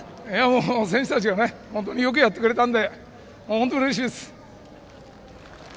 もう選手たちが本当によくやってくれたんで本当にうれしいです。